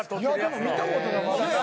でも見た事なかった。